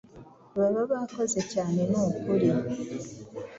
baba bakoze cyane nukuri